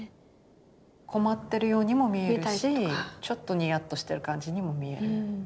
困ってるようにも見えるしちょっとニヤッとしてる感じにも見える。